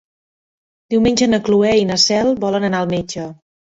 Diumenge na Cloè i na Cel volen anar al metge.